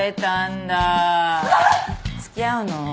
付き合うの？